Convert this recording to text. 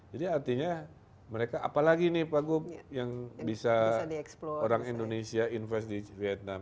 jadi artinya mereka apalagi nih pak gub yang bisa orang indonesia investasi di vietnam